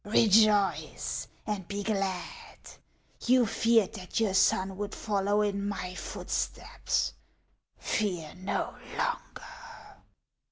Eejoice and be glad. You feared that your sou would follow in my footsteps; fear no longer."